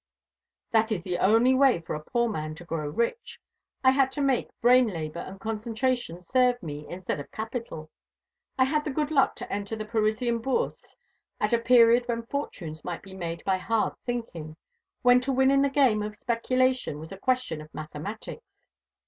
"That is the only way for a poor man to grow rich. I had to make brain labour and concentration serve me instead of capital. I had the good luck to enter the Parisian Bourse at a period when fortunes might be made by hard thinking when to win in the game of speculation was a question of mathematics.